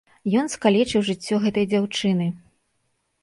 Ён скалечыў жыццё гэтай дзяўчыны.